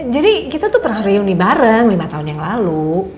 jadi kita tuh pernah reuni bareng lima tahun yang lalu